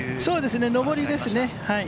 上りですね。